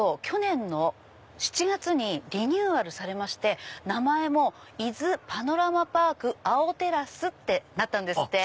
去年の７月にリニューアルされまして名前も伊豆パノラマパーク碧テラスです。